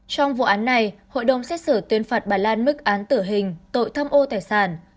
trong vụ án này hội đồng xét xử tuyên phạt bà lan mức án tử hình tội tham ô tài sản